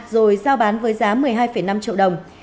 rồi giao bán với giá một mươi hai năm triệu đồng